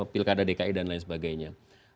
pilkada dki dan lain sebagainya